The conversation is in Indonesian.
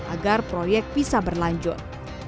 agar proyek bisa berlanjut